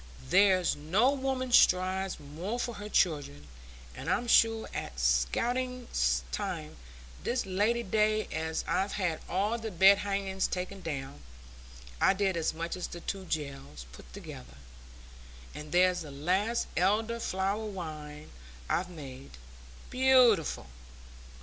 "There's no woman strives more for her children; and I'm sure at scouring time this Lady day as I've had all the bedhangings taken down I did as much as the two gells put together; and there's the last elder flower wine I've made—beautiful!